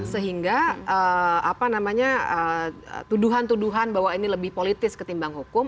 sehingga tuduhan tuduhan bahwa ini lebih politis ketimbang hukum